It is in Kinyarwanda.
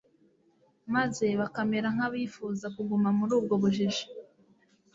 maze bakamera nkabifuza kuguma muri ubwo bujiji